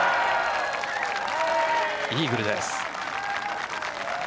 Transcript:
イーグルです。